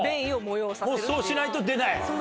もうそうしないと出ない？